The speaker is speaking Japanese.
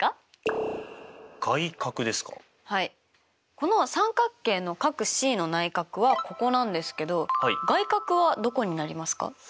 この三角形の角Ｃの内角はここなんですけど外角はどこになりますか？